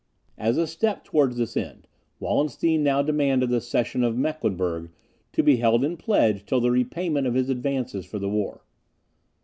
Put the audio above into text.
As a step towards this end, Wallenstein now demanded the cession of Mecklenburg, to be held in pledge till the repayment of his advances for the war.